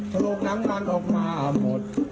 เพราะโลกนั้นมันออกมาหมด